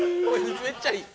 めっちゃいい！